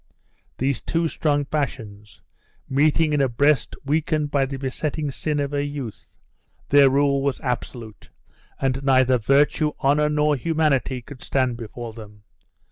These two strong passions, meeting in a breast weakened by the besetting sin of her youth, their rule was absolute, and neither virtue, honor, nor humanity could stand before them.